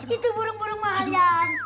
itu burung burung mahal yang